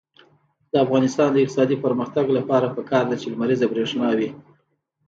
د افغانستان د اقتصادي پرمختګ لپاره پکار ده چې لمریزه برښنا وي.